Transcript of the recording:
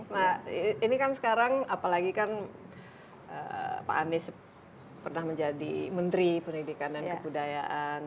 nah ini kan sekarang apalagi kan pak anies pernah menjadi menteri pendidikan dan kebudayaan